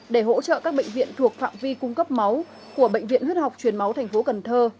để hỗ trợ các bệnh viện thuộc phạm vi cung cấp máu của bệnh viện huyết học chuyển máu tp cn